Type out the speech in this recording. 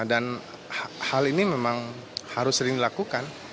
dan hal ini memang harus sering dilakukan